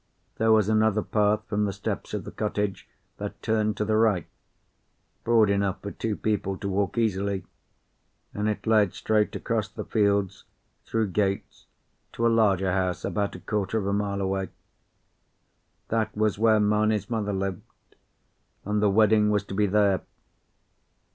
There was another path from the steps of the cottage that turned to the right, broad enough for two people to walk easily, and it led straight across the fields through gates to a larger house about a quarter of a mile away. That was where Mamie's mother lived, and the wedding was to be there.